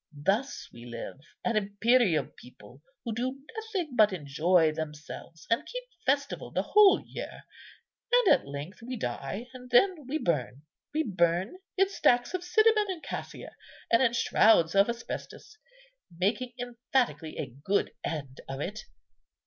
Thus we live, an imperial people, who do nothing but enjoy themselves and keep festival the whole year; and at length we die—and then we burn: we burn—in stacks of cinnamon and cassia, and in shrouds of asbestos, making emphatically a good end of it.